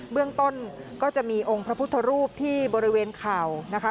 เรื่องต้นก็จะมีองค์พระพุทธรูปที่บริเวณเข่านะคะ